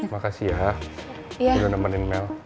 makasih ya udah nemenin mel